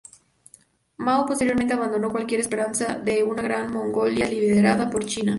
Mao posteriormente abandonó cualquier esperanza de una Gran Mongolia liderada por China.